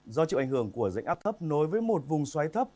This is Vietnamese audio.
do chịu ảnh hưởng của dạnh áp thấp nối với một vùng xoáy thấp